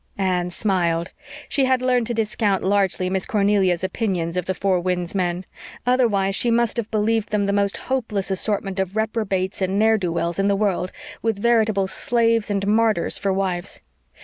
Anne smiled. She had learned to discount largely Miss Cornelia's opinions of the Four Winds men. Otherwise she must have believed them the most hopeless assortment of reprobates and ne'er do wells in the world, with veritable slaves and martyrs for wives.